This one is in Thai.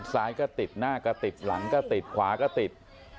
ซ้ายก็ติดหน้าก็ติดหลังก็ติดขวาก็ติด